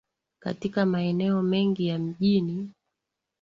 katika maeneo mengi ya mijini